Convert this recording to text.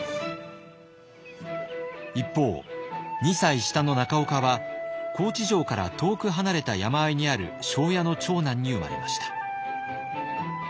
一方２歳下の中岡は高知城から遠く離れた山あいにある庄屋の長男に生まれました。